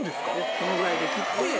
・このぐらいで切って。